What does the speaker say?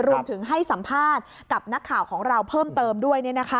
รวมถึงให้สัมภาษณ์กับนักข่าวของเราเพิ่มเติมด้วย